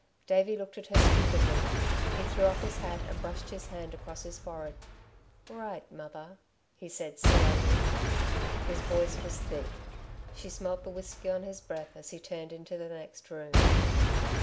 Davey looked at her stupidly. He threw off his hat and brushed his hand across his forehead. "Right, mother," he said slowly. His voice was thick. She smelt the whisky on his breath as he turned into the next room.